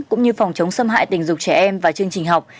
cũng như phòng chống xâm hại tình dục trẻ em và chương trình học